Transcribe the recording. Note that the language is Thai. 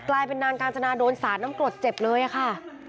กลายเป็นนางกาญจนาโดนสาดน้ำกรดเจ็บเลยอะค่ะ